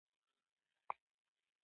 د اوسنۍ ایتوپیا او اریتریا سیمې دي.